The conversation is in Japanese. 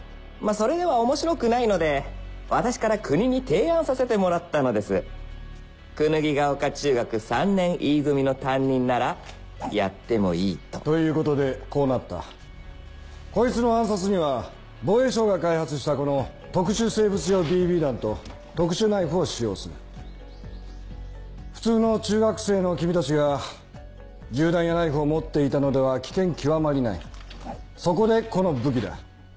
それでは面白くないので私から国に提案させてもらったのです「椚ヶ丘中学３年Ｅ組の担任ならやってもいい」とということでこうなったこいつの暗殺には防衛省が開発したこの特殊生物用ＢＢ弾と特殊ナイフを使用する普通の中学生の君たちが銃弾やナイフを持っていたのでは危険極まりないそこでこの武器だ